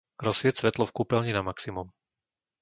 Rozsvieť svetlo v kúpeľni na maximum.